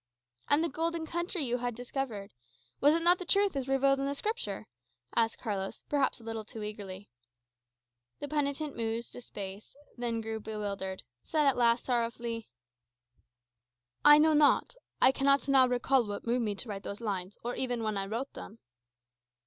"And the golden country you had discovered was it not the truth as revealed in Scripture?" asked Carlos, perhaps a little too eagerly. The penitent mused a space; grew bewildered; said at last sorrowfully, "I know not. I cannot now recall what moved me to write those lines, or even when I wrote them."